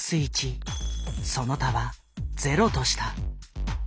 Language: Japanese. その他は０とした。